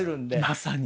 まさに。